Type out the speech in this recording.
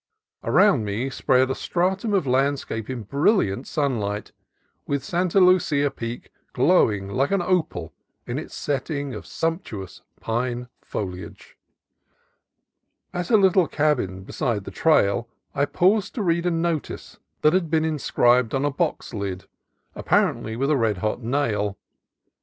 Around me was spread a stratum of landscape in brilliant sunlight, with Santa Lucia Peak glowing like an opal in its setting of sumptuous pine foliage. At a little cabin beside the trail I paused to read a notice that had been inscribed on a box lid, ap A VOLUBLE BOX LID 189 parently with a red hot nail.